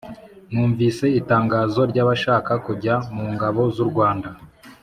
Numvise itangazo ryabashaka kujya mungabo zurwanda